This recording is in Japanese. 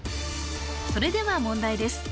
それでは問題です